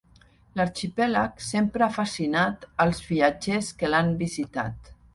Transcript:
L'arxipèlag sempre ha fascinat els viatgers que l'han visitat.